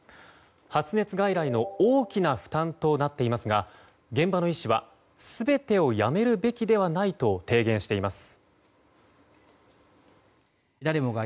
発熱外来の大きな負担となっていますが現場の医師は全てをやめるべきではないと提言しています。